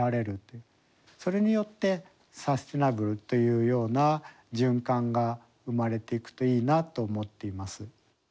それによってサステナブルというような循環が生まれていくといいなと思っています。